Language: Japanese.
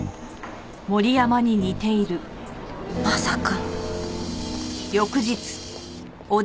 まさか。